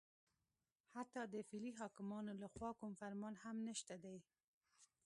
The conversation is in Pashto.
حتی د فعلي حاکمانو لخوا کوم فرمان هم نشته دی